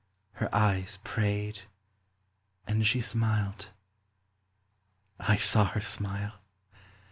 Her eyes prayed, and she smiled. (I saw her smile.)